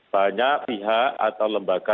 banyak pihak atau lembaga